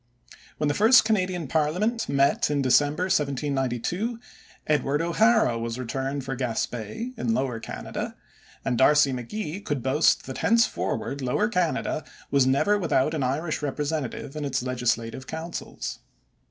When the first Canadian parliament met in December 1792, Edward O'Hara was returned for Gaspé, in Lower Canada, and D'Arcy McGee could boast that henceforward Lower Canada was never without an Irish representative in its legislative councils.